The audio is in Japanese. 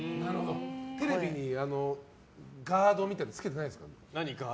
テレビにガードみたいなのつけてないんですか。